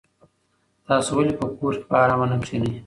تاسو ولې په کور کې په ارامه نه کېنئ؟